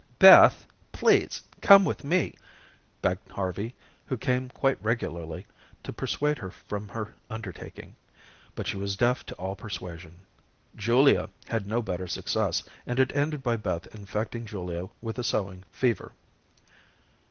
"Beth, please, come with me," begged Harvey, who came quite regularly to persuade her from her undertaking. But she was deaf to all persuasion. Julia had no better success, and it ended by Beth infecting Julia with the sewing fever.